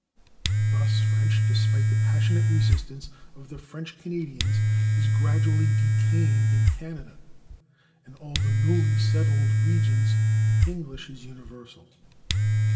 Thus French, despite the passionate resistance of the French Canadians, is gradually decaying in Canada; in all the newly settled regions English is universal.